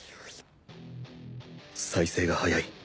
再生が速い